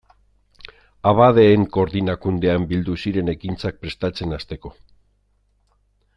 Abadeen Koordinakundean bildu ziren ekintzak prestatzen hasteko.